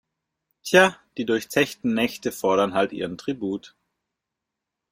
Tja, die durchzechten Nächte fordern halt ihren Tribut.